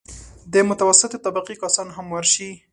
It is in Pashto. د متوسطې طبقې کسان هم ورشي.